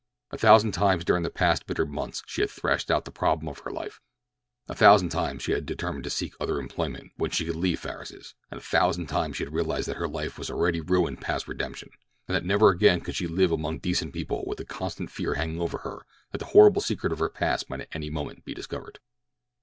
A thousand times during the past bitter months she had thrashed out the problem of her life; a thousand times she had determined to seek other employment when she could leave Farris's; and a thousand times she had realized that her life was already ruined past redemption, and that never again could she live among decent people with the constant fear hanging over her that the horrible secret of her past might at any moment be discovered.